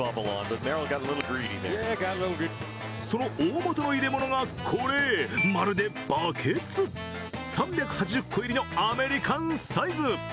その大元の入れ物がこれ、まるでバケツ、３８０個入りのアメリカンサイズ。